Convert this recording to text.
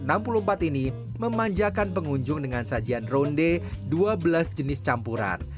ronde yang sudah ada sejak tahun seribu sembilan ratus enam puluh empat ini memanjakan pengunjung dengan sajian ronde dua belas jenis campuran